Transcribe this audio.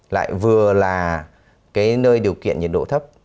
lại vừa là cái nơi điều kiện nhiệt độ thấp